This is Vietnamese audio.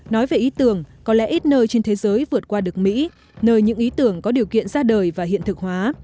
nói về ý tưởng có lẽ ít nơi trên thế giới vượt qua được mỹ nơi những ý tưởng có điều kiện ra đời và hiện thực hóa